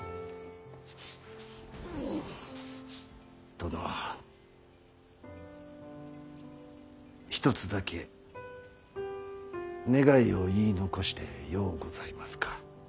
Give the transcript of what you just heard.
殿一つだけ願いを言い残してようございますか。